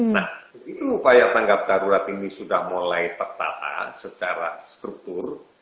nah begitu upaya tanggap darurat ini sudah mulai tertahan secara struktur